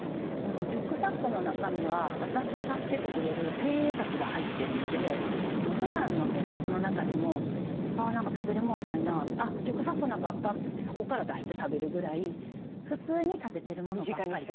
リュックサックの中身は私を助けてくれる精鋭たちが入ってるのでふだんの生活の中でも「何か食べるもんないなあっリュックサックの中あった」といってそこから出して食べるぐらい普通に食べてるものばっかりです。